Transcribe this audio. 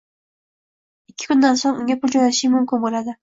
Ikki kundan so`ng unga pul jo`natishing mumkin bo`ladi